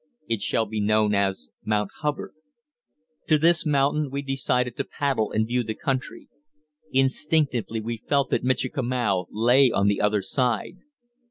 It shall be known as Mount Hubbard. To this mountain we decided to paddle and view the country. Instinctively we felt that Michikamau lay on the other side.